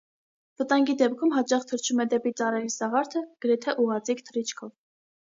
Վտանգի դեպքում հաճախ թռչում է դեպի ծառերի սաղարթը՝ գրեթե ուղղաձիգ թռիչքով։